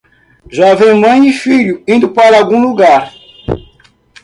Jovem mãe e filho indo para algum lugar